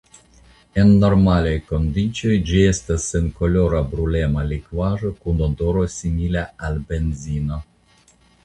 En normalaj kondiĉoj ĝi estas senkolora brulema likvaĵo kun odoro simila al benzino.